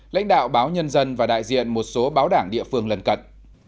lãnh đạo báo nhân dân và đại diện một số báo đảng địa phương lần cận